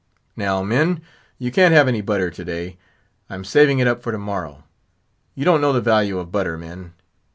"Now, men, you can't have any butter to day. I'm saving it up for to morrow. You don't know the value of butter, men.